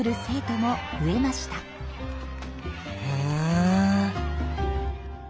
へえ。